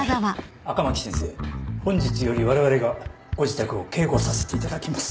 赤巻先生本日よりわれわれがご自宅を警護させていただきます。